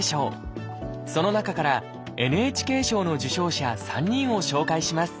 その中からＮＨＫ賞の受賞者３人を紹介します